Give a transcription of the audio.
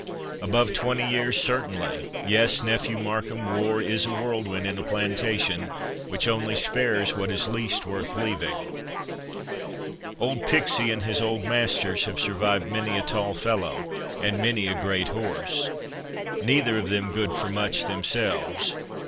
"Above twenty years, certainly. Yes, nephew Markham, war is a whirlwind in a plantation, which only spares what is least worth leaving. Old Pixie and his old master have survived many a tall fellow, and many a great horse—neither of them good for much themselves.